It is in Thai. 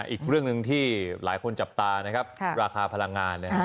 อีกเรื่องหนึ่งที่หลายคนจับตานะครับราคาพลังงาน